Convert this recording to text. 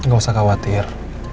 gak usah khawatir